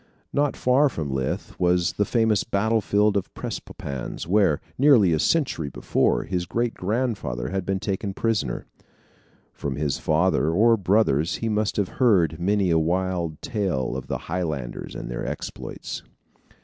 Not far from Leith was the famous battlefield of Prestonpans, where, nearly a century before, his great grandfather had been taken prisoner. From his father or brothers he must have heard many a wild tale of the Highlanders and their exploits.